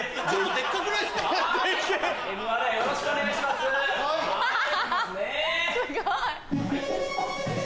すごい！